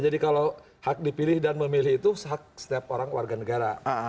jadi kalau hak dipilih dan memilih itu hak setiap orang warga negara